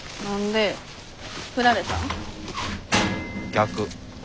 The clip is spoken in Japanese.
逆。